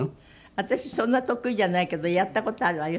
私そんな得意じゃないけどやった事あるわよ。